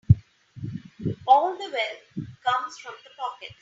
All the wealth comes from the pockets.